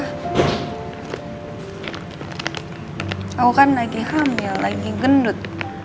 aku kan lagi hamil lagi gendut